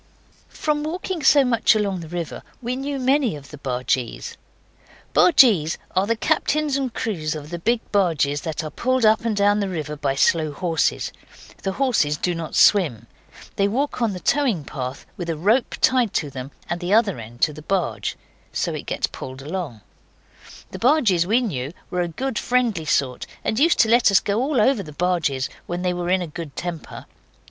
From walking so much along the river we knew many of the bargees. Bargees are the captains and crews of the big barges that are pulled up and down the river by slow horses. The horses do not swim. They walk on the towing path, with a rope tied to them, and the other end to the barge. So it gets pulled along. The bargees we knew were a good friendly sort, and used to let us go all over the barges when they were in a good temper.